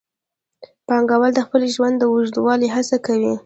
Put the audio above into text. پانګوال د خپل ژوند د اوږدولو هڅه کوي